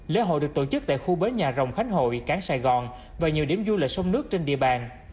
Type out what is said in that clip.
lễ hội được tổ chức tại khu bến nhà rồng khánh hội cán sài gòn và nhiều điểm du lịch sông nước trên địa bàn